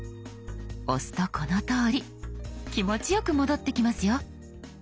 押すとこのとおり気持ちよく戻ってきますよ。